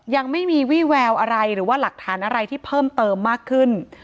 ยังไม่มีวี่แววอะไรหรือว่าหลักฐานอะไรที่เพิ่มเติมมากขึ้น